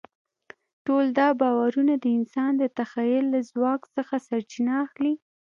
ټول دا باورونه د انسان د تخیل له ځواک څخه سرچینه اخلي.